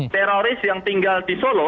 teroris yang tinggal di solo